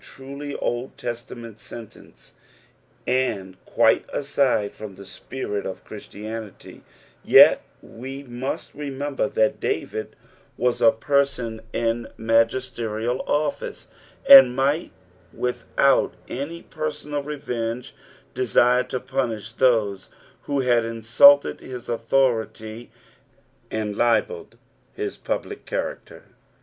truly Old Testament sentence, and quite aside from the spirit of Christianity, yet we must remember that David was p person in magisterial office, niid might without any personal revenge, desire to punish those who had insulted his authority and libelled his public chsracter.